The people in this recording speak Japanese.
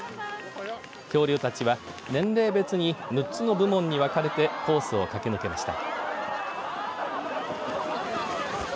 恐竜たちは年齢別に６つの部門に分かれてコースを駆け抜けました。